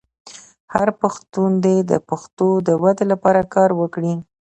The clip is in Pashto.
هر پښتون دې د پښتو د ودې لپاره کار وکړي.